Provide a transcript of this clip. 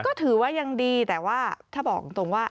ก็ถือว่ายังดีแต่ว่าถ้าบอกตรงว่า